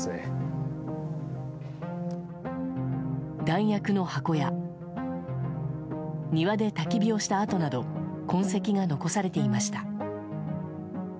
弾薬の箱や庭でたき火をした跡など痕跡が残されていました。